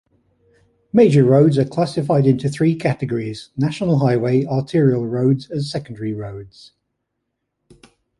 Major roads are classified into three categories: National Highway, Arterial Roads, and Secondary Roads.